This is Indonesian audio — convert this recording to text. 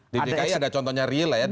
di dki juga contohnya ril bekerja ya